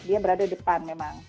dia berada depan memang